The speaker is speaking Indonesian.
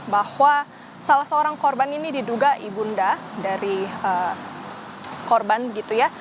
bahwa salah seorang korban ini diduga ibunda dari korban gitu ya